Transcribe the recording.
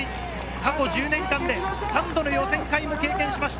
過去１０年間で３度の予選会を経験しました。